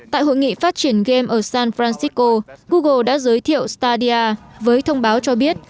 tại hội nghị phát triển game ở san francisco google đã giới thiệu stadia với thông báo cho biết